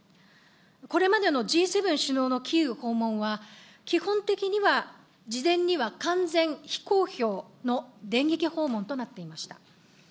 これまでのＧ７首脳のキーウ訪問は、基本的には事前には完全非公表の電撃訪問となっていました。